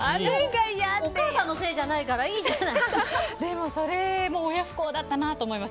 お母さんのせいじゃないからそれも親不孝だったなと思います。